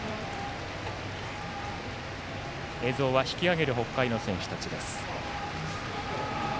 映像は引き揚げる北海の選手たちです。